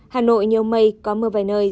hà nội nhiều mây có mưa vài nơi